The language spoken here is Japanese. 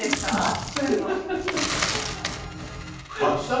スプーンの。